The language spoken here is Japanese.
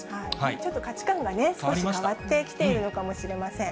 ちょっと価値観がね、少し変わってきているのかもしれません。